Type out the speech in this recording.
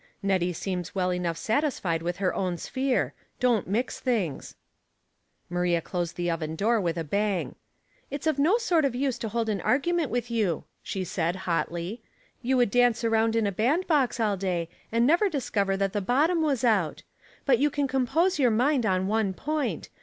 Nettie seems well enough satis fied with her own sphere. DoiTt mix things " Maiia closed the oven door with a bang. *' It's of no sort of use to hold an argument with you," she said, hotly. '' You Avould dance around in a bandbox all da3% and never discover that the bottom was out; but you can compose your mind on one point.